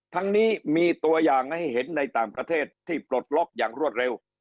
ทั้งนี้มีตัวอย่างให้เห็นในต่างประเทศที่ปลดล็อกอย่างรวดเร็ว